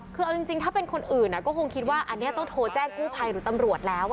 คือเอาจริงถ้าเป็นคนอื่นก็คงคิดว่าอันนี้ต้องโทรแจ้งกู้ภัยหรือตำรวจแล้ว